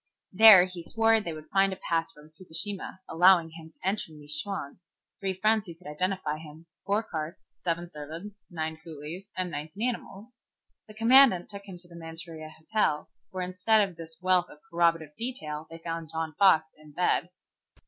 There he swore they would find a pass from Fukushima allowing him to enter New Chwang, three friends who could identify him, four carts, seven servants, nine coolies, and nineteen animals. The commandant took him to the Manchuria Hotel, where instead of this wealth of corroborative detail they found John Fox in bed.